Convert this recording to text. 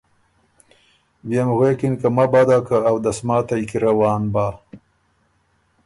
بيې م غوېکِن که مبادا که اؤدسماتئ کی روان بۀ